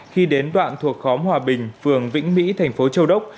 khi đến đoạn thuộc khóm hòa bình phường vĩnh mỹ thành phố châu đốc